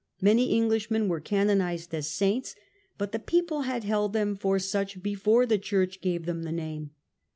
Many Englishmen were canonized as saints, but the people had held them for such before the church gave them the name.